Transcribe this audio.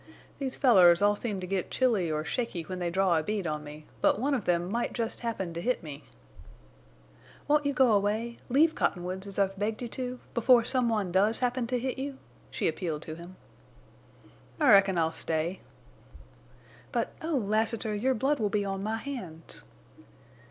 These fellers all seem to get chilly or shaky when they draw a bead on me, but one of them might jest happen to hit me." "Won't you go away—leave Cottonwoods as I've begged you to—before some one does happen to hit you?" she appealed to him. "I reckon I'll stay." "But, oh, Lassiter—your blood will be on my hands!"